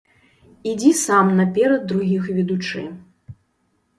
Ідзі сам наперад другіх ведучы!